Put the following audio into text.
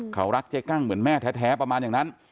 เขารักเจ๊กั้งเหมือนแม่แท้ประมาณอย่างนั้น